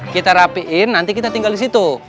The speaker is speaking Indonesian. kita rapiin nanti kita tinggal di situ